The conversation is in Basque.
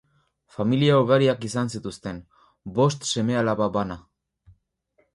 Familia ugariak izan zituzten: bost seme-alaba bana.